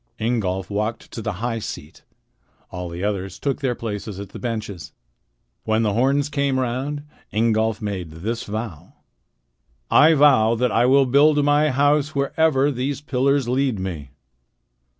Ingolf walked to the high seat. All the others took their places at the benches. When the horns came round, Ingolf made this vow: "I vow that I will build my house wherever these pillars lead me."